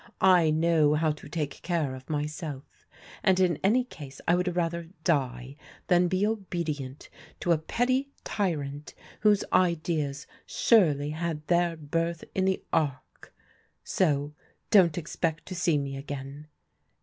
I know how to take care of myself, and in any case I would rather die than be obedient to a . petty tyrant whose ideas surely had their birth in the Ark. So don't expect to see me again.